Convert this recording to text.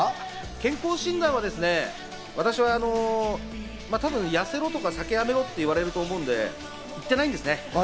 健康診断はですね、多分痩せろとか酒やめろって言われると思うんで、行ってないんですね。